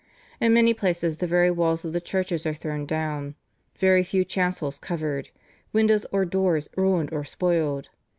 ... In many places the very walls of the churches are thrown down; very few chancels covered; windows or doors ruined or spoiled.